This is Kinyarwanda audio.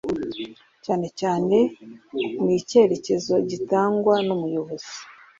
cyane cyane n icyerekezo gitangwa n umuyobozi